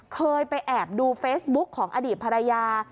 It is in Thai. เคยไปแอบดูเฟซบุ๊กของอดีตภรรยา